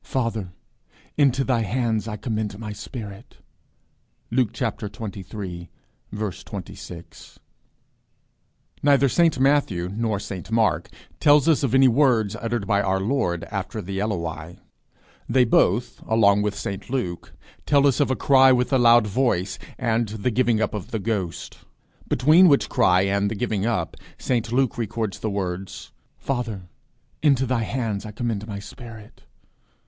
"Father, into thy hand I commend my spirit." St Luke xxiii. 46. Neither St Matthew nor St Mark tells us of any words uttered by our Lord after the Eloi. They both, along with St Luke, tell us of a cry with a loud voice, and the giving up of the ghost; between which cry and the giving up, St Luke records the words, "Father, into thy hands I commend my spirit."